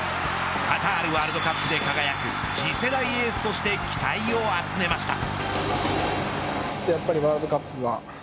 カタールワールドカップで輝く次世代エースとして期待を集めました。